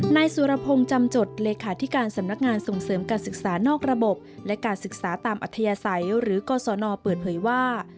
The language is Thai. นายสุรพงศ์จำจดเลขาธิการสำนักงานส่งเสริมการศึกษานอกระบบและการศึกษาตามอัธยาศัยหรือกศนเปิดเผยว่า